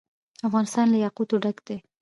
افغانستان له یاقوت ډک دی.